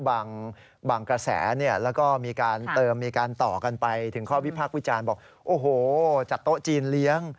บางกระแสแล้วก็มีการเติมมีการต่อกันไปถึงข้อวิพากษ์วิจารณ์บอกโอ้โหจัดโต๊ะจีนเลี้ยง